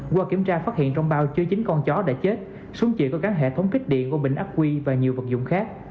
qua kiểm tra phát hiện trong bao chưa chính con chó đã chết súng chịu có các hệ thống kích điện của bệnh ác quy và nhiều vật dụng khác